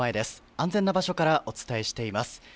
安全な場所からお伝えしています。